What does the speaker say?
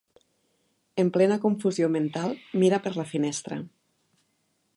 En plena confusió mental mira per la finestra.